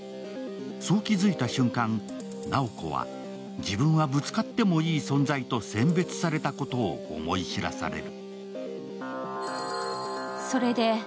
そう気付いた瞬間、直子は、自分はぶつかってもいい存在と選別されたことを思い知らされる。